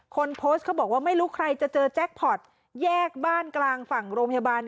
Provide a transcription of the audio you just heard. คนโพสต์เขาบอกว่าไม่รู้ใครจะเจอแจ็คพอร์ตแยกบ้านกลางฝั่งโรงพยาบาล